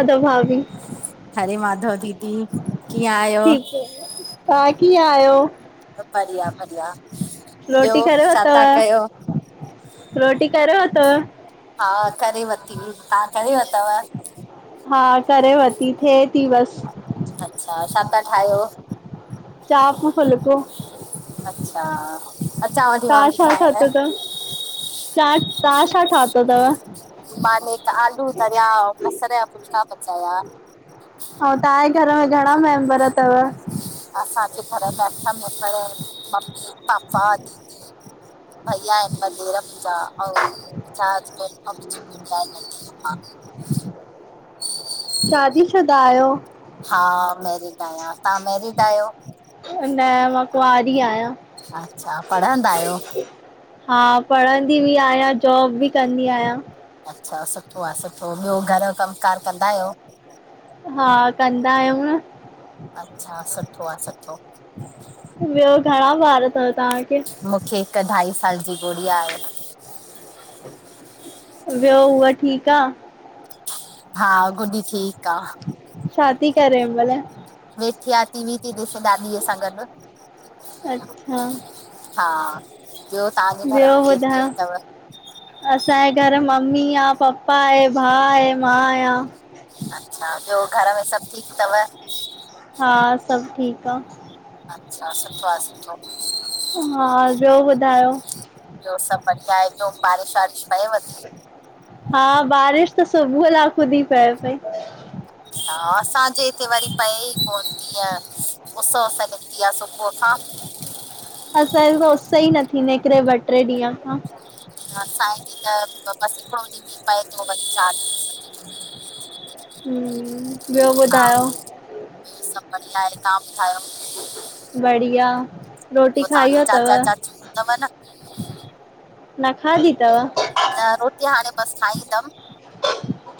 अ त भाभी हरे माधव दीदी, कीअं आहियो? ठीक है तव्हां कीअं आहियो? बढ़िया, बढ़िया, रोटी ॿियो करे छा वतव था कयो? रोटी करे वरतव? हा करे वरती हुई, तव्हां करे वरतव? हा करे वरती, थिए ती बसि, अच्छा- छा ता ठाहियो? चापूं फुलिको, अच्छा अचांव थी मां तव्हां बि छा खाइण। ठातो तव? चाट, तव्हां छा ठातो तव? मां नेक आलू तरिया, बसर जा फुलका पचाया। अऊं तव्हांजे घर में घणा मेंबर तव? असां अठ घर में अठ मेंबर आहिनि ममी पापा [unintelligible] भइया आहिनि म मुंहिंजा अऊं [unintelligible] हिन हसब अमजी कुराए नदी अम [unintelligible] शादी शुदा आहियो? हा मैरिड आहियां, तव्हां मैरिड आयो? न मां कुआंरी आहियां, अच्छा-पढ़ंदा आयो? हा पढ़ंदी बि आहियां, जॉब बि कंदी आहियां, अच्छा सुठो, आ सुठो, ॿियो घर जो कमकार कंदा आयो? हा कंदा आहियूं न, अच्छा- सुठो आ सुठो, ॿियो घणा ॿार तव तव्हांखे? -खे हिकु ढाई साल जी गुड़िया आहे, ॿियो ऊअ ठीक आ? हा गुॾी ठीकु आ, शा ती करे हिनमल? वेठी आ, टीवी ती ॾिसे, ॾाॾीअ सां गॾु, अच्छा- हा ॿियो तव्हांजे घर ॿियो में केरु ॿुधायो, केरु तव? असांजे घर मम्मी आ, पपा आए, भा आए, मां आहियां। अच्छा ॿियो घर में सभु ठीकु तव? हा सभु ठीक आ, अच्छा सुठो आ सुठो, हा ॿियो ॿुधायो, ॿियो सभु बढ़िया आहे जो बारिश वारिश पयव ‌। हा बारिश त सुबुह लाकूं थी पए पई। हा असांजे हिते वरी पए ई कोन ती हियं। उस वुस सां निकती आहे सुबूह खां। असांजे त उते उस ई न थी निकिरे ॿ टे निकिरे टे ॾींहं खां। असां ते त बसि हिकिड़ो ॾींहुं पए थो वरी चार ॾींहं। असांखे ह ॿियो हा ॿुधायो। ॿियो सभु बढ़िया आहे तव्हां ॿुधायो। बढ़िया रोटी खाई वतव। नव न - - न खादि ताव। न रोटी हाणे बस खाईंदम।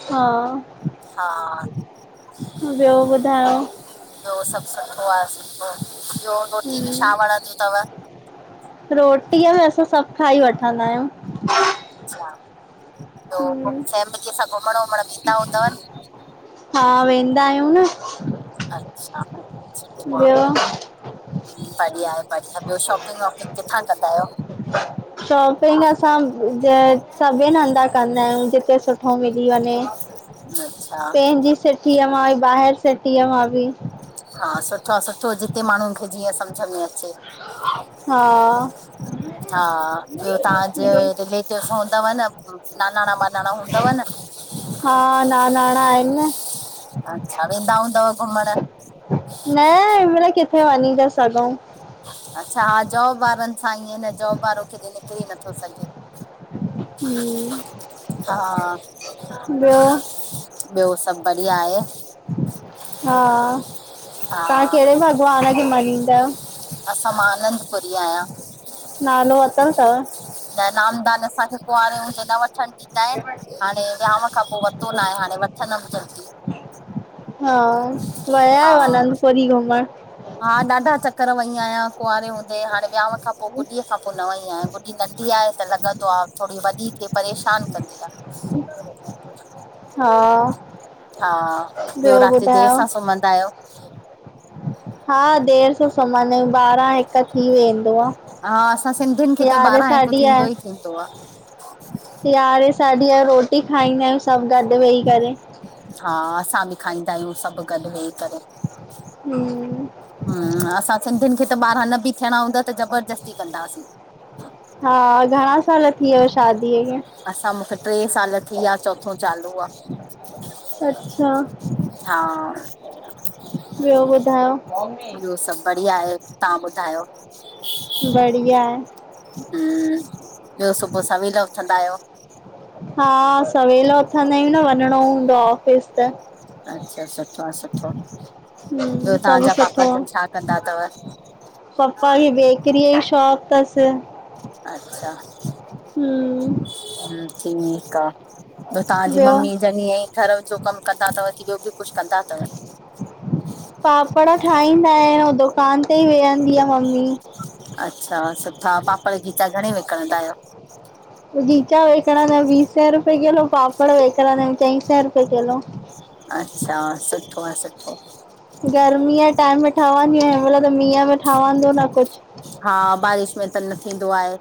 हा - - हा - - ॿियो ॿुधायो। ॿियो सभु सुठो आहे सुठो आहे ॿियो रोटी में छा हम्म वणंदिय अथव। रोटीअ में असां सभु खाई वठंदा आहियूं। अच्छा पोइ पोइ हम्म फैमिलीअ सां घुमण वुमण व ईंददा हूंदव न। हा वेंदा आहियूं न। अचछा सुठ आहे। ॿियो बढ़िया बढ़िया ॿियो शॉपिंग वॉपिंग किथां कंदा आहियो। शॉपिंग असां जं - - सभिनिधधा कंदा आहियूं जिते सुठो मिली वञे अच्छा पंहिंजी। टी एम आी बाहिर स टी एम आबी। हा सुठो आहे सुठो जिते माण्हुनि खे जीअं समुझ में अचे। हा - -। हा ॿियो तव्हांजे रिलेटिव हूंदव न नानाणा वानाणा हूंदव न। हा नानाणा आहिन। अच्छा वदाऊूं दव घुमण। न हिन मल किथे वञी ता सगो। अच्छा हा जॉब वारनि सां ईअ न जॉब वारो किथे निकरी नथो सघे। ॿियो हा - - ॿियो सभु बढ़िया आहे। हा हा तव्हां कहिड़े भॻवान खे मञींदव। असां मां आनंदपुरी ई आहियां। नालो अत तव। न नामदान असांखे कुआरेजे न वठ। वठणु ॾींदा आहिन हाणे विहांउ खां पोइ वरितो न आहे हाणे वठंदम जल्दी - - हा व हा आनंद परी घुमण? हा ॾाढा चकर वई आहियां कुआरे हूंदे हाणे विांउ खां पोइ। गुॾीअ खां पोइ न वई आहियां गुॾी नंढी आहे त लॻंदो आहे थोरी वॾी थिए परेशान कंदी आहे। हम्म - - हा हा ॿियो राति देरि ॿुधायो। सां सुम्हंदा आहियो? हा देर सौ समान बारह हिक - - त थी वेंदो हा असां सिंधियुनि खे आहे। त यारें ॿारहां हिकु साढ़े यां थींदो ई थींदो आ। यारें साढ़े यारें रोटी खाईंदा सभु गॾ वेही करे। हा असां बि खाईंदा आहियूं सभु गॾु वेही करे। हम्म हम्म, असां सिंधियुनि खे त ॿार न बि थियणा हूंदा त ज़बरदस्ती कंदासीं। हा, घणा साल थी वियुसि शादीअ खे असां मूंखे टें साल थी विया चोथो चालू आहे। अच्छा हा ॿियो ॿुधायो? ॿियो सभ बढ़िया आहे, तव्हां ॿुधायो? बढ़िया हम्म ॿियो सुबुह जो सवेल उथंदा आहियो? हा सवेल उथंदा आहियूं न वञिणो हूंदो आहे ऑफिस त अच्छा सुठो आहे सुठो आहे। हम्म ॿियो सभु तव्हांजा पापा सुठो जन छा कंदा अथव? क्रीअ ई शॉप अथस। अच्छा, हम्म ठीकु आहे। बियो तव्हांजी ॿियो? मम्मी जनी घर जो कमु कंदा अथव की ॿियो बि कुझु कंदा अथव? पापड़ ठाहींदा आहियूं दुकान ते ई वेहंदी आहे, मम्मी। अच्छा, सुठा पापड़ खीचा घणे विकणंदा आहियो? खीचा विकणदां आहियूं ॿी सै रुपए किलो, पापड़ विकणदा आहियूं चई सै रुपए किलो। अच्छा सुठो आहे सुठो। गर्मीअ टाइम में ठहदो आहे हिनमहल त मिहं में ठहदो न कुझु हा, बारिश में त न थींदो आहे।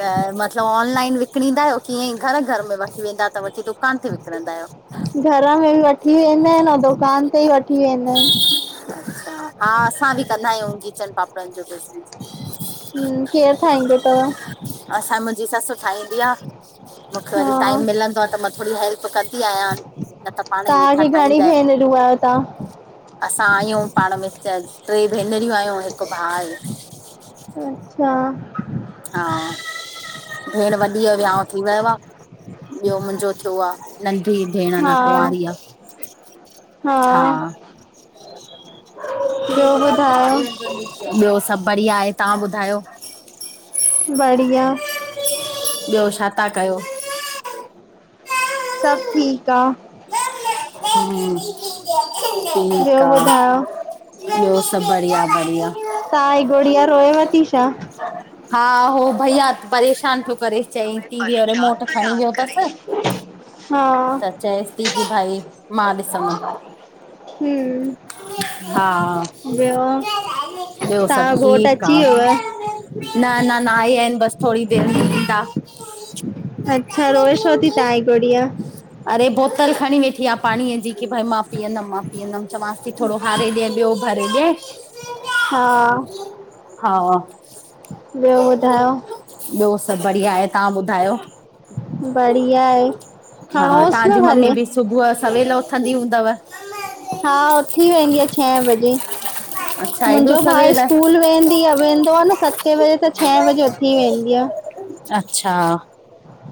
त मतलबु ऑनलाइन विकिणींदा आहियो किं ईअं ई घर घर में वठी वेंदा? त वठी दुकान ते विकणंदा आहियो। घर में बि वठी वेंदा आहिनि ऐं दुकान ते ई वठी वेंदा आहिनि। हा असां बि कंदा आहियूं गीचन पापड़ पंहिंजो बिजनेस हम्म केरु ठाहींदो तव? असां मुंहिंजी ससु ठाहींदी आहे। मूंखे हा वरी टाइम मिलंदो आहे त मां थोरी हेल्प कंदी आहियां। न त पाण ई तव्हांखे वेठा घणी ठाहींदा आहिनि। आहियो भेनरूं तव्हां असां आहियूं पाण में टे भेनरियूं आहियूं हिकु भाउ आहे। अच्छा हा, भेण वॾीअ जी वियाउं थी वियो आहे ॿियो मुंहिंजो थियो आहे। नंढी भेण अनां हा कुंआरी आहे। हा ॿियो ॿुधायो उ सबु बढिया आहे। तव्हां ॿुधायो? बढ़िया ॿियो छा था कयो? सब ठीकु आहे। हम्म ॿियो ठीकु आ, ॿुधायो? ॿियो सभु बढिया बढिया तव्हांजी गुड़िया रोएव थी छा? हा हो भइया परेशान - - करे चई टीवी जो रिमोट खणी वियो अथस हा त चयई - - टीवी जी भाई मां ॾिसदुम। हम्म। हा। ॿियो ॿियो सभु तव्हांजो घोट ठीकु आ। अची वियव? न न अन्या न आइया आहिन बस थोरी देरि में इदा। अच्छा रोए छो थी तव्हां जी गुड़िया? अड़े बोतल खणी वेठी आहे पाणीअ जी की भई मां पीअंदम मां पीअंदम चवस - - थोरो हारे ॾेया ॿियो भरे ॾेया - - हा - - हा - - ॿियो ॿुधायो। ॿियो सभु बढ़िया आहे तव्हां ॿुधायो। बढिया आहे हा खणोस न तव्हांजी मम्मी भले। बि सुबुह सवेल उथंदी हूंदव। हा उथी वेंदी आहे छहे बजे। अ [inaudible] मुंहिंजो भाउ स्कूल वेंदी आहे वेंदो आहे न सतें बजे त छह बजे उथी वेंदी आ। अच्छा।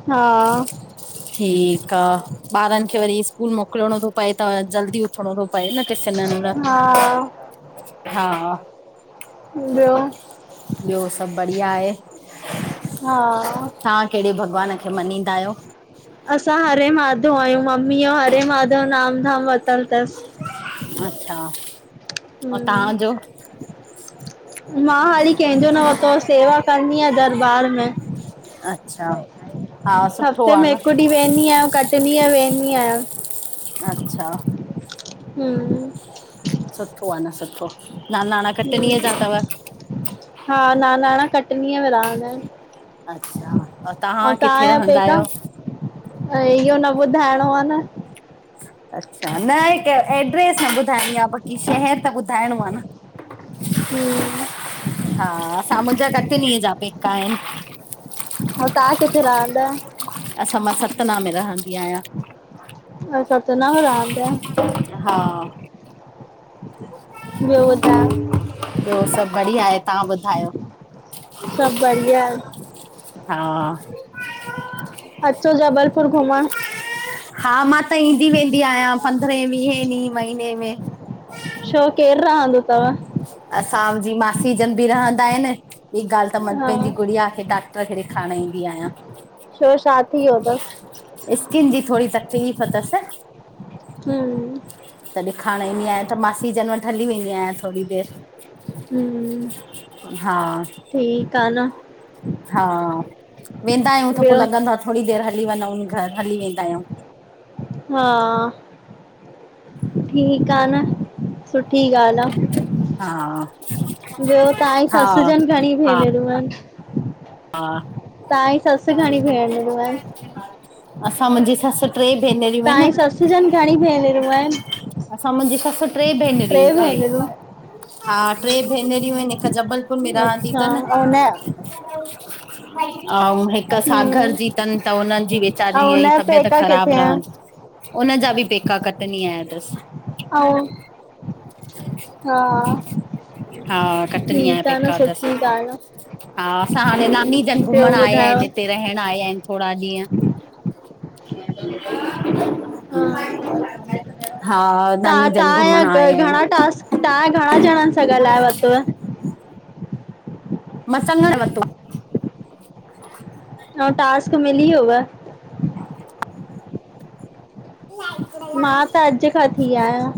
हा - - ठीक आ। ॿारन खे वरी स्कूल मोकिलणो थो पए त जल्दी उथणो थो प - - परे न इनखे छॾण लाइ हा हा - - ॿियो। ॿियो सभु बढ़िया आहे हा तव्हां। कहिड़े भॻवान खे मञीदा आहियो। असां हरे माधव आहियूं मम्मी जो हरे माधव नाम धाम वरत् - - वर्तल अथस हम्। हा जो - - मां हाली कंहिंजो न वरितो सेवा कंदी आहियां दरबार में। अच्छा हा सुठो। आ सिर्फ न हिकु ॾींहुं वेंदी आहियां घट ॾींहं वेंदी आहियां। अच्छा। हम्। सुठो आ न सुठो नानाणा कटनीअ जा अथव। हा नानाणा कटनीअ में रहंदा आहिन। अच्छा तव्हां किथे रहंदा पेका आहियो। ऐं इहो न ॿुधाइणो आ न। अच्छा न हिकु एड्रेस न ॿुधाइणी आहे बाक़ी शहर त ॿुधाइणो आ न। हम हा असां जा बि मुंहिंजा कटनीय जॾींह जा पेका आहिन। अऊ तव्हां किथे रहंदा? असां मां सतना में रहंदी आहियां अ सतना में रहो पिया। हा - - ॿियो ॿुधायो ॿियो सभ बढिया आहे तव्हां ॿुधायो। सभ बढ़िया। हा - - अचो जबलपुर घुमण हा मां त ईंदी वेंदी आहियां पंद्रहेें वीहे ॾींहुं महीने में छो केरु रहंदो तव? असांजी मासी जी जन बि रहंदा इनि ॿी ॻाल्हि त मां हा पंहिंजी गुड़िया खे डा डॉक्टर खे ॾेखारिण ईंदी आहियां। छो छा थी वियो अथसि स्किन जी थोरी तकलीफ़ तसि हम्म् त ॾिखारण ईंदी आहियां त मासी जनि वटि हली वेंदी आहियां थोरी देरि हम्, हा ठीकु आ न। हा, वेंदा आहियूं त पो ॿियो लॻंदो आ थोरी देरि हली वञूंन घर, हली वेंदा आहियूं। हा ठीक आ न, सुठी ॻाल्हि आ। हा ॿियो तव्हांजी हा ससुजनि घणी हा भे्नरु हा तव्हांजी सस घणियूं भेनरू आहिन? असां मुंहिंजी ससु टे भेनरियूं आहिनि। तव्हांजी सस जन घणी भेनरूं आहिनि? असां मुंहिंजी सस टे भेनरियूं इनि टे, हा टे भेनरियूं इनि। हिक जबलपुर में रहदी अच्छा तन ऐं हुन ऐं हिकु सागर जी हम्म तनि त हुननि जी ऐं वेचारी जी हुनजा तबियत पेका किथे ख़राब आहिन? रहन्दी उनजा बि पेका कटनीय जा तस। और हा हा कटनीअ जा ठीकु आ न पेका तस, सुठी ॻाल्हि आ। हा त हाणे नानी जन ॿियो घुमण आया ॿुधायो? हिनि हिते। रहण आया इन थोरा ॾींहं। हा हा नानी तां जन घुमण तव्हांजा आया घणा आहिनि। टास्क तहां घणा ॼणनि सां ॻाल्हाए वतुव? मसंग वत [inaudible] नओ टास्क मिली वयुव? [inaudible] मां त अॼु खां थी आहियां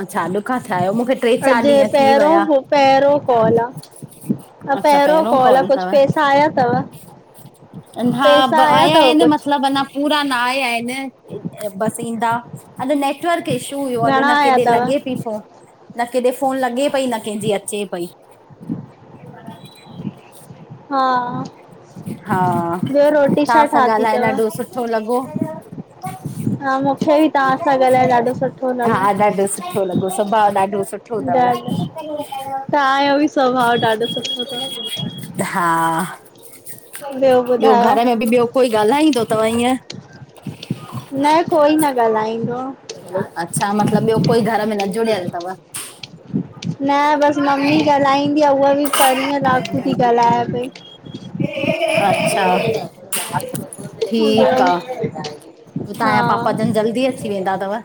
अच्छा, अॼु खा थिया आहियो मूंखे टे चारि अॼु ॾींहं थी पहिरो विया। पहिरियों कॉल आ। अच्छा पहिरों पहिरों कॉल आ कुझ तव पैसा आया तव? हा आया अथव न कुझु? मतिलब अञा पूरा न आया हिनि बस ईंदा अॼु नेक्स्ट नेटवर जो इछू हुयो अॼु घणा हुन आया केॾे अथव? लॻे पई फोन न केॾे फोन लॻे पई न कंहिंजी अचे पई। [inaudible] हा, हा ॿियो रोटी छा तव्हां सां ठाती ॻाल्हाए तव? ॾाढो सुठो लॻो हा मूंखे बि तव्हां सां ॻाल्हाए ॾाढो सुठो हा लॻो। ॾाढो सुठो सुठो लॻो स्वभाव ॾाढो सुठो तव। तहाँजो बि स्वभाव ॾाढो सुठो तव। हा ॿियो घर में बि ॿियो कोई ॻाल्हाईंदो तव ईअं न कोई न ॻाल्हाईंदो आ। अच्छा मतलब ॿियो कोई घर में न जुड़ियल तव। न बसि ममी ॻाल्हाईंदी आ उहा बि परीयं लाकू थी ॻाल्हाए पई। अच्छा, ॿियो? ठीकु आ। हो हा तहांजा पापा जन जल्दी अची वेंदा तव?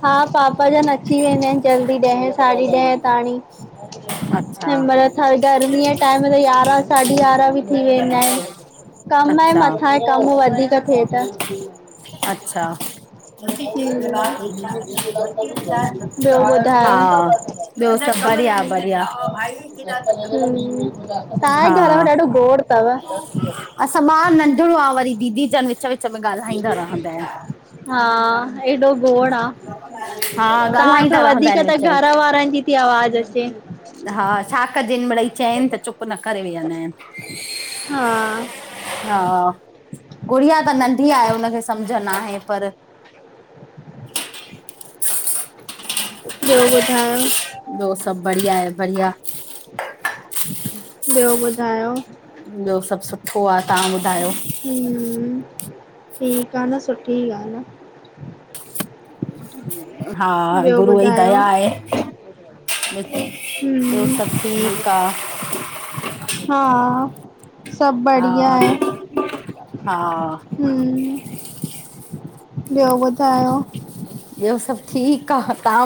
हा पापा जन अची वेंदा आहिनि जल्दी ॾहें साढी ॾहें ताणीं। अच्छा म गर्मी टाइम त यारह साढी यारां बि थी वेंदा आहिनि, कम ऐं अच्छा मथां आहे कम वधीक थे त। अचछा, हम्म [unintelligible] ॿियो ॿुधायो? हा। ॿियो सभु बढ़िया बढ़या, हा। तव्हांजे घर में ॾाढो गोड़ तव असां ॿा नंढिणो आ वरी दीदी जॼनि विच विच में ॻाल्हाईंदा रहंदा आहिन। हा, हेॾो गोड़ आ, आहिनि हा तव्हांखा ॻाल्हाईंदा रहंदा वधीक आहिनि त विच घर विच वारनि जी थी आवाज अचे। हा छा कजिन मड़ई चयनि त चुप न करे वेहंदा आहिन। हा, हा, गुड़िया त नंढी आहे हुनखे सम्झ न आहे पर [inaudible] ॿियो ॿुधायो। ॿियो सभु बढ़िया आए बढ़िया। ॿियो ॿुधायो। ॿियो सभु सुठो आ, तव्हां ॿुधायो। हूं, ठीकु आ न सुठी ॻाल्ह आ। हा ॿियो गुरूअ जी ॿुधायो? दया आहे। ॿियो हम्म सभु ठीक आ। हा, सभु हा बढ़िया आए। हा, हूं, ॿियो ॿुधायो। ॿियो सभु ठीकु आ, तव्हां